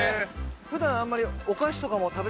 普段あんまり。